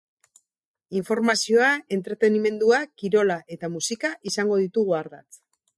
Informazioa, entretenimendua, kirola eta musika izango ditugu ardatz.